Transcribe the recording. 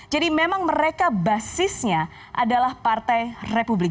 jadi memang mereka basisnya adalah partai republik